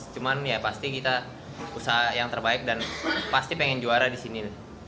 cuman ya pasti kita usaha yang terbaik dan pasti pengen juara di sini